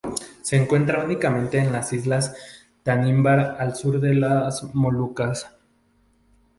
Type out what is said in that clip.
Se encuentra únicamente en las islas Tanimbar, al sur de las Molucas.